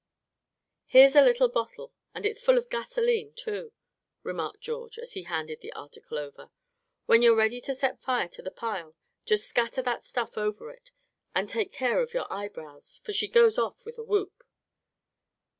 "Here's a little bottle, and it's full of gasoline too," remarked George, as he handed the article over. "When you're ready to set fire to the pile, just scatter that stuff over it, and take care of your eyebrows, for she goes off with a whoop."